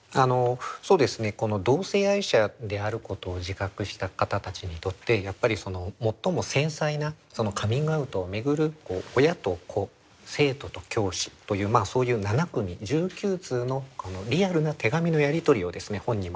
そうですねこの同性愛者であることを自覚した方たちにとってやっぱり最も繊細なカミングアウトを巡る親と子生徒と教師というそういう７組１９通のリアルな手紙のやり取りをですね本に